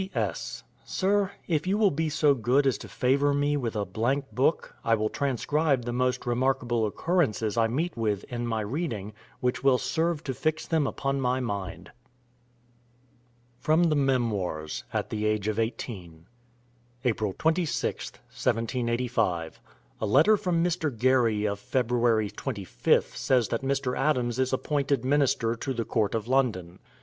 P.S. Sir, if you will be so good as to favor me with a Blank Book, I will transcribe the most remarkable occurances I meet with in my reading, which will serve to fix them upon my mind. FROM THE MEMOIRS (At the Age of Eighteen) April 26th, 1785. A letter from Mr. Gerry of Feb. 25th Says that Mr. Adams is appointed Minister to the Court of London.